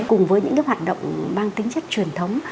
cùng với những hoạt động mang tính chất truyền thống